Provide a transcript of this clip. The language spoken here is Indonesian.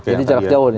jadi jarak jauh nih